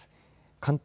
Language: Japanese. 関東